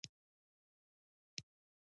خلکو له هغه څخه ډېره پلوي وکړه.